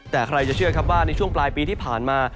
แต่ใครจะเชื่อครับว่าในช่วงปลายปีที่ผ่านมา